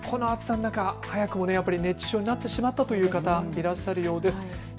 この暑さの中、早くも熱中症になってしまったという方、いらっしゃるようです。